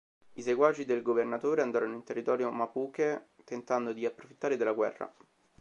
I seguaci del governatore andarono in territorio Mapuche tentando di approfittare della guerra.